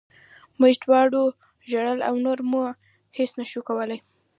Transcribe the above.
موږ دواړو ژړل او نور مو هېڅ نه شول کولی